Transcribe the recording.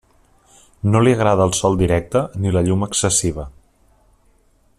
No li agrada el sol directe ni la llum excessiva.